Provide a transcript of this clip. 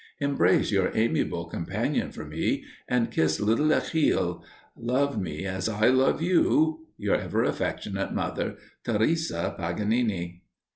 "Embrace your amiable companion for me, and kiss little Achille. Love me as I love you. "Your ever affectionate mother, "TERESA PAGANINI."